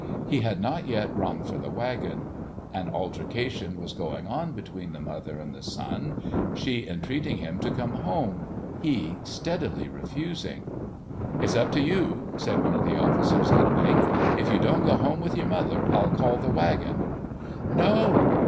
He had not yet rung for the wagon. An altercation was going on between the mother and the son—she entreating him to come home, he steadily refusing. "It's up to you," said one of the officers, at length; "if you don't go home with your mother, I'll call the wagon." "No!"